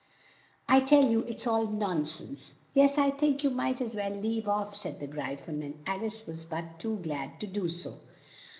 I tell you it is all non sense." "Yes, I think you might as well leave off," said the Gry phon, and Al ice was but too glad to do so.